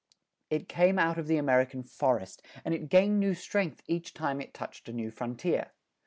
It came out of the American forest, and it gained new strength each time it touched a new frontier.